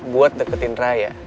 buat deketin raya